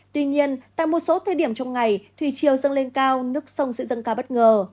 tuy nhiên tại một số thời điểm trong ngày thủy chiều dâng lên cao nước sông sẽ dâng cao bất ngờ